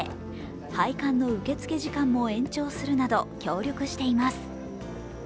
拝観の受付時間も延長するなど協力しています。